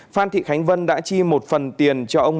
phan thị khánh vân đã chi một phần tiền cho ông